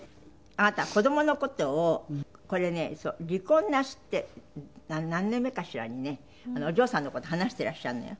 あなた子どもの事をこれね離婚なすって何年目かしらにねお嬢さんの事話していらっしゃるのよ。